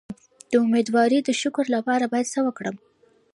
د امیدوارۍ د شکر لپاره باید څه وکړم؟